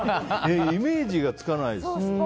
イメージがつかないですね。